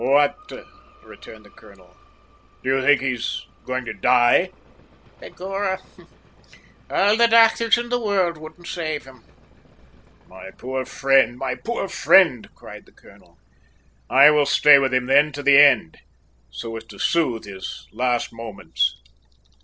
"What!" returned the colonel. "Do you think he's going to die?" "Begorrah, all the docthers in the worrld wouldn't save him!" "My poor friend, my poor friend!" cried the colonel. "I will stay with him then, to the end, so as to soothe his last moments!"